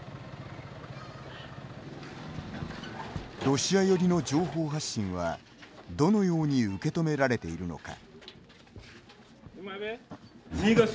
ロシア寄りの情報発信はどのように受け止められているのか。